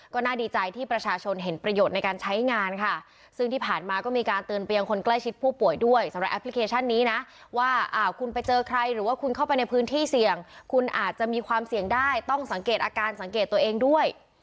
ก็น่าดีใจที่ประชาชนเห็นประโยชน์ในการใช้งานค่ะซึ่งที่ผ่านมาก็มีการเตือนไปยังคนใกล้ชิดผู้ป่วยด้วยสำหรับแอปพลิเคชันนี้นะว่าคุณไปเจอใครหรือว่าคุณเข้าไปในพื้นที่เสี่ยงคุณอาจจะมีความเสี่ยงได้ต้องสังเกตอาการสังเกตตัวเองด้วย